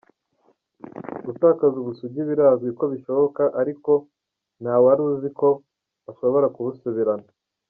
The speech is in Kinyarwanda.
Gutakaza ubusugi birazwi ko bishoboka, ariko ntawari azi ko ushobora kubusubirana.